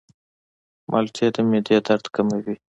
مالټې د معدې درد کموي.